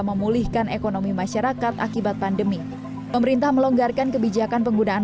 memulihkan ekonomi masyarakat akibat pandemi pemerintah melonggarkan kebijakan penggunaan